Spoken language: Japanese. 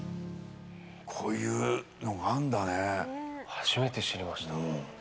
初めて知りました。